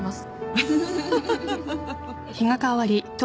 フフフフ。